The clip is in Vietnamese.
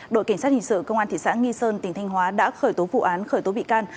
đội kiểm soát hình sự công an thị xã nghi sơn tỉnh thánh hóa đã khởi tố vụ án khởi tố bị can